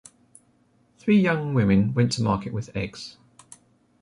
Three young women went to market with eggs.